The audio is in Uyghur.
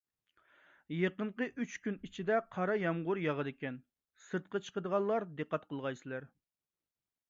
يېقىنقى ئۈچ كۈن ئىچىدە قارا يامغۇر ياغىدىكەن، سىرتقا چىقىدىغانلار دىققەت قىلغايسىلەر.